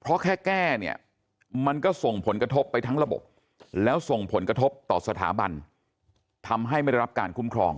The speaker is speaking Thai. เพราะแค่แก้เนี่ยมันก็ส่งผลกระทบไปทั้งระบบแล้วส่งผลกระทบต่อสถาบันทำให้ไม่ได้รับการคุ้มครอง